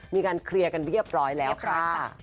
มีการเคลียร์กันเรียบร้อยแล้วค่ะ